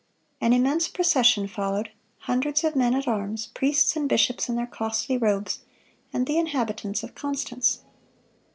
An immense procession followed, hundreds of men at arms, priests and bishops in their costly robes, and the inhabitants of Constance.